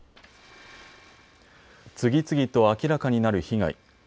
次々と明らかになる被害。